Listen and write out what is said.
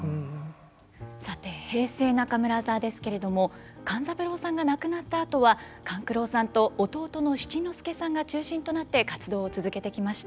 さて平成中村座ですけれども勘三郎さんが亡くなったあとは勘九郎さんと弟の七之助さんが中心となって活動を続けてきました。